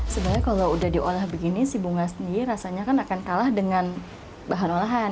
sebenarnya kalau udah diolah begini si bunga sendiri rasanya kan akan kalah dengan bahan olahan